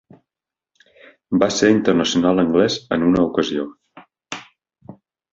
Va ser internacional anglès en una ocasió.